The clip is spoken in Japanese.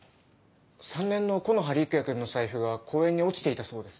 ３年の木の葉陸也君の財布が公園に落ちていたそうです。